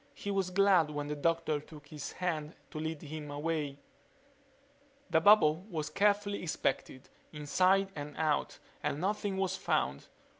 He was glad when the doctor took his hand to lead him away ... The bubble was carefully inspected, inside and out, and nothing was found.